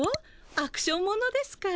アクションものですから。